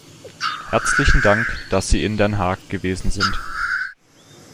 Herzlichen Dank, dass Sie in Den Haag gewesen sind.